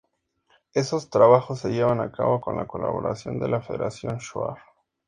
Estos trabajos se llevan a cabo con la colaboración de la Federación Shuar.